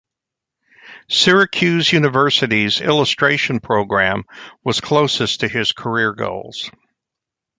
Syracuse University's Illustration program was closest to his career goals.